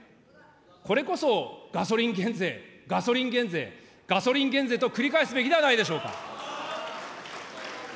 これこそガソリン減税、ガソリン減税、ガソリン減税と繰り返すべきではないでしょうか。